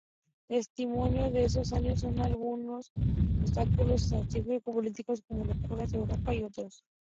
Testimonio de esos años son algunos opúsculos satírico-políticos como "Locuras de Europa" y otros.